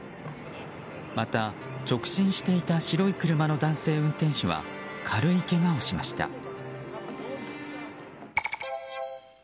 また、直進していた白い車の男性運転手は軽いけがをしました。